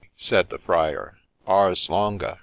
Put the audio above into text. ' said the Friar. ' Ars longa